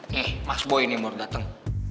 nih mas boy ini yang baru dateng